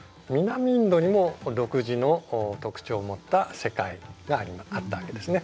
インドにも独自の特徴を持った世界があったわけですね。